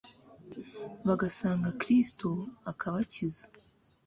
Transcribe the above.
bagasanga Kristo akabakiza